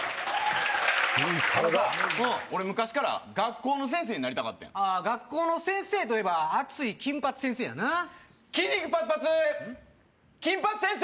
あのさ俺昔から学校の先生になりたかったんやああ学校の先生といえば熱い金八先生やな筋肉パツパツ筋パツ先生！